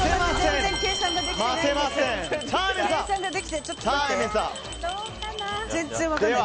全然計算ができてない。